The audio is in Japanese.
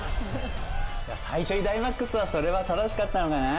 最初にダイマックスはそれは正しかったのかな。